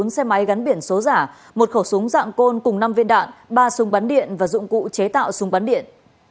bốn xe máy gắn biển số giả một khẩu súng dạng côn cùng năm viên đạn ba súng bắn điện và dụng cụ chế tạo súng bắn điện